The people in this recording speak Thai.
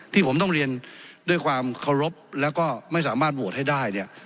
ที่ผมต้องเรียนด้วยความเคารพแล้วก็ไม่สามารถโหวตให้ได้เนี่ย